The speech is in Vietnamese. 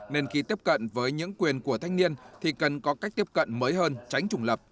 nên khi tiếp cận với những quyền của thanh niên thì cần có cách tiếp cận mới hơn tránh trùng lập